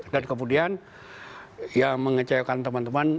dan kemudian yang mengecewakan teman teman